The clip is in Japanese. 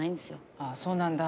あぁそうなんだ。